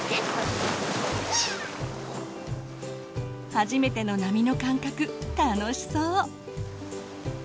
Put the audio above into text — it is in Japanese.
初めての波の感覚楽しそう。